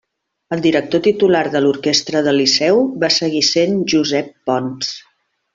El director titular de l'orquestra del Liceu va seguir sent Josep Pons.